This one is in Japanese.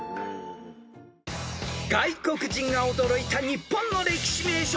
［外国人が驚いた日本の歴史名所